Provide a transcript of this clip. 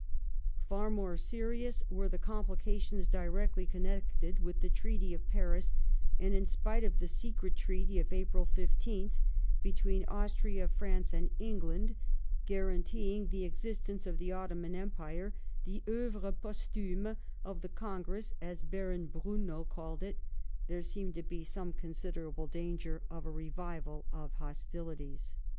Far more serious were the complications directly connected with the Treaty of Paris ; and in spite of the secret Treaty of April 15 th between Austria, France,, and England, guaranteeing the existence of the Otto man Empire — ^the oeuvre posthume of the Congress, aa Baron Briinnow called it — there seemed to be some considerable danger of a revival of hostilities.